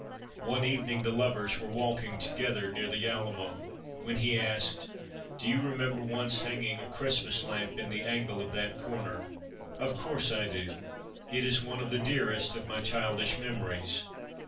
One evening the lovers were walking together near the Alamo when he asked :" Do you remem ber once hanging a Christmas lamp in the angle of that corner? "" Of course I do. It is one of the dearest of my childish memories."